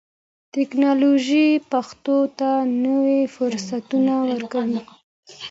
ټکنالوژي پښتو ته نوي فرصتونه ورکوي.